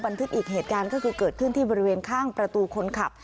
อีกเหตุการณ์ก็คือเกิดขึ้นที่บริเวณข้างประตูคนขับ